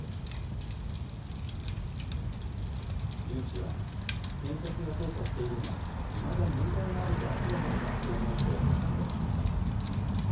ユン氏は検察が捜査しているが、いまだ問題があると明らかになっていないと反論しました。